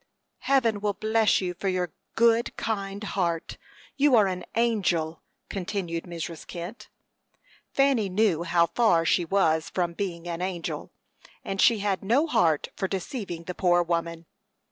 "Heaven will bless you for your good, kind heart. You are an angel," continued Mrs. Kent. Fanny knew how far she was from being an angel, and she had no heart for deceiving the poor woman.